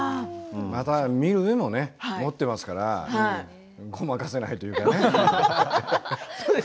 見る目も持っていますからごまかせないというかね。